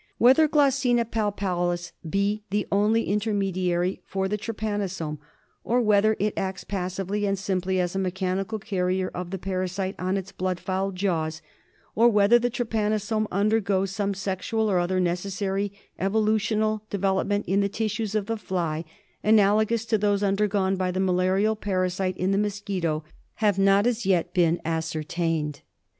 128 THE SLEEPING SICKNESS. Whether Glossina palpalis be the only intermediary for the trypanosome, or whether it acts passively and simply as a mechanical carrier of the parasite on its blood fouled jaws, or whether the trypanosome under goes some sexual or other necessary evolutional de velopment in the tissues of the fly, analogous to those undergone by the malaria parasite in the mosquito, have not as yet been ascertained.